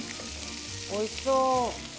おいしそう。